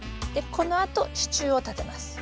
このあと支柱を立てます。